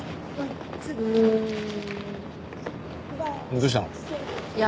どうしたの？いや。